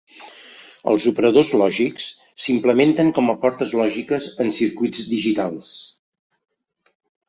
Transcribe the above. Els operadors lògics s'implementen com a portes lògiques en circuits digitals.